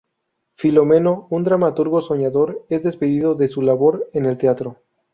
Filomeno, un dramaturgo soñador, es despedido de su labor en el teatro.